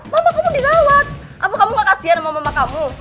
mama kamu dirawat apa kamu gak kajian sama mama kamu